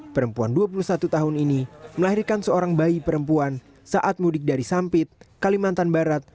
perempuan dua puluh satu tahun ini melahirkan seorang bayi perempuan saat mudik dari sampit kalimantan barat